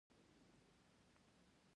هېواد مو باید ښه جوړ کړو